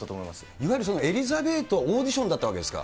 意外と、エリザベートはオーディションだったわけですか？